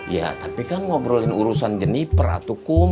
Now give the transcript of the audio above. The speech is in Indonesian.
ya tapi kan ngobrolin urusan jenip ratu kum